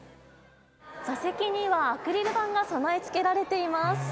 座席にはアクリル板が備え付けられています。